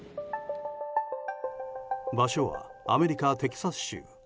場所はアメリカ・テキサス州。